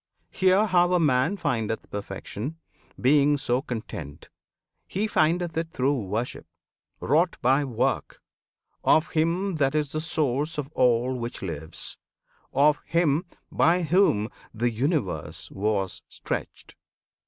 Hear how a man Findeth perfection, being so content: He findeth it through worship wrought by work Of Him that is the Source of all which lives, Of HIM by Whom the universe was stretched.